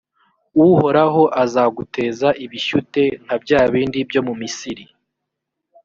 uhoraho azaguteza ibishyute, nka bya bindi byo mu misiri;